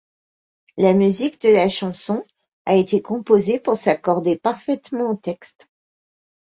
La musique de la chanson a été composée pour s'accorder parfaitement au texte.